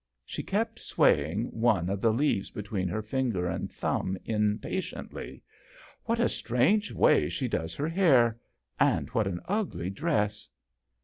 " She kept swaying one of the leaves bet ween her finger and thumb impatiently. " What a strange way she does her hair ; and what an ugly dress